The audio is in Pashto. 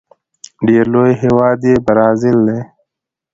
ډیر لوی هیواد یې برازيل دی.